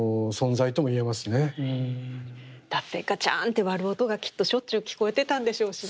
だってガチャンって割る音がきっとしょっちゅう聞こえてたんでしょうしね。